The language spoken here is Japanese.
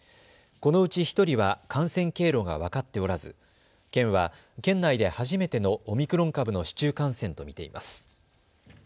このうち１人は感染経路が分かっておらず県は県内で初めてのオミクロン株の市中感染と見ています。